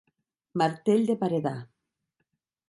Martell de paredar.